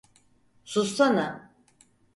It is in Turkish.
Sussana!